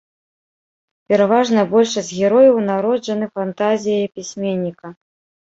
Пераважная большасць герояў народжаны фантазіяй пісьменніка.